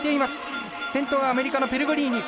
先頭はアメリカのペルゴリーニ。